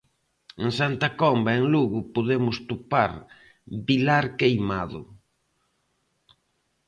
En Santa Comba e en Lugo podemos topar Vilar Queimado.